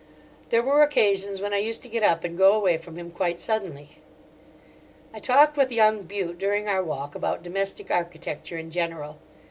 There were occasions when I used to get up and go away from him, quite suddenly. I talked with young Bute during our walk about domestic architecture in general.